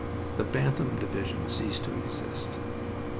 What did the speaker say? The Bantam Division ceased to exist.